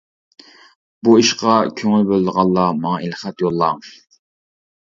بۇ ئىشقا كۆڭۈل بۆلىدىغانلار ماڭا ئېلخەت يوللاڭ.